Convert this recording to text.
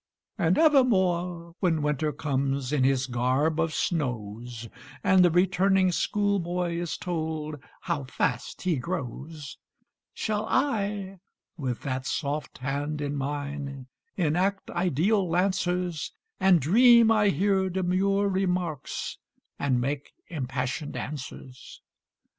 And evermore, when winter comes in his garb of snows, And the returning schoolboy is told how fast he grows; Shall I with that soft hand in mine enact ideal Lancers, And dream I hear demure remarks, and make impassioned answers.